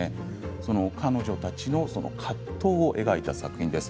彼女たちの葛藤を描いた作品です。